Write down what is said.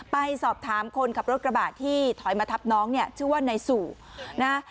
ไปสอบถามคนขับรถกระบะที่ถอยมาทับน้องเนี่ยชื่อว่านายสู่นะ